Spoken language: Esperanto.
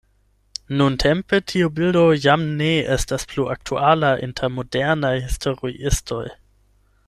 Nuntempe tiu bildo jam ne estas plu aktuala inter modernaj historiistoj.